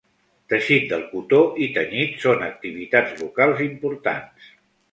Teixit del cotó i tenyit són activitats locals importants.